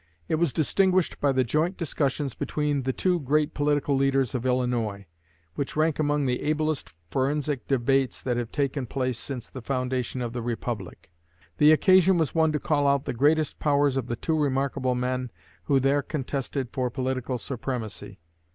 It was distinguished by the joint discussions between the two great political leaders of Illinois, which rank among the ablest forensic debates that have taken place since the foundation of the republic. The occasion was one to call out the greatest powers of the two remarkable men who there contested for political supremacy.